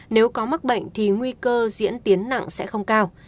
nếu có mắc bệnh thì nguy cơ diễn tiến nặng sẽ không cao